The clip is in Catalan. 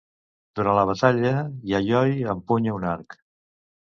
Durant la batalla, Yayoi empunya un arc.